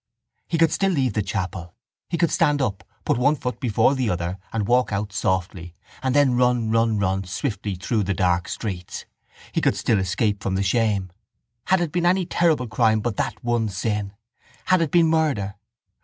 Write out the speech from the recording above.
He could still leave the chapel. He could stand up, put one foot before the other and walk out softly and then run, run, run swiftly through the dark streets. He could still escape from the shame. Had it been any terrible crime but that one sin! Had it been murder!